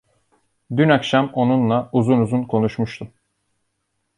Dün akşam onunla uzun uzun konuşmuştum.